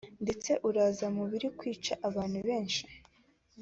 ndetse uraza mu biri mu kwica abantu benshi